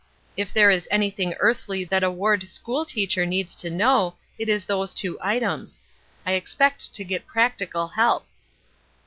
If there is anything earthly that a ward school teacher needs to know it is those two items. I expect to get practical help."